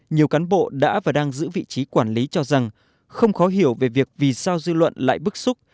nhiều cán bộ đã và đang giữ vị trí quản lý cho rằng không khó hiểu về việc vì sao dư luận lại bức xúc